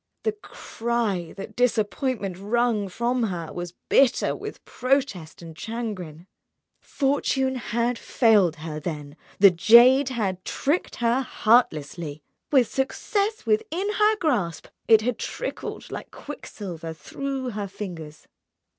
The cry that disappointment wrung from her was bitter with protest and chagrin. Fortune had failed her, then, the jade had tricked her heartlessly. With success within her grasp, it had trickled like quicksilver through her fingers.